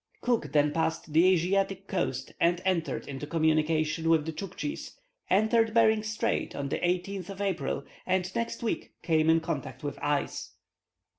Cook then passed the Asiatic coast and entered into communication with the Tchouktchis, entered Behring Strait on the 11th of April, and next week came in contact with ice.